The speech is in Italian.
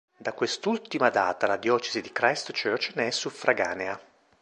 Da quest'ultima data la diocesi di Christchurch ne è suffraganea.